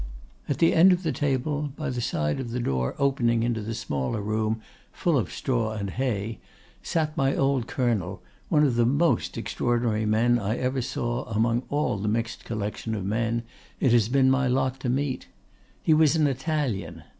"At the end of the table, by the side of the door opening into the smaller room full of straw and hay, sat my old colonel, one of the most extraordinary men I ever saw among all the mixed collection of men it has been my lot to meet. He was an Italian.